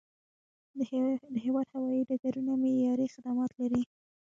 د هیواد هوایي ډګرونه معیاري خدمات لري.